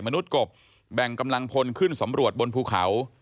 มนุษย์กบแบ่งกำลังพลขึ้นสำรวจบนภูเขา